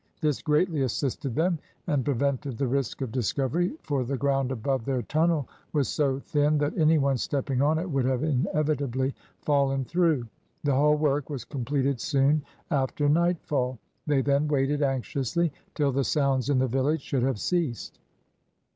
This greatly assisted them, and prevented the risk of discovery, for the ground above their tunnel was so thin that any one stepping on it would have inevitably fallen through. The whole work was completed soon after nightfall. They then waited anxiously till the sounds in the village should have ceased.